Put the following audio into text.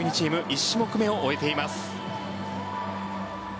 １種目めを終えています。